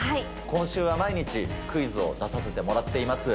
今週は毎日クイズを出させてもらっています。